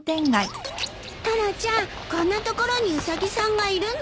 タラちゃんこんな所にウサギさんがいるの？